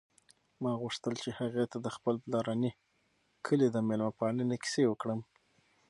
ما غوښتل چې هغې ته د خپل پلارني کلي د مېلمه پالنې کیسې وکړم.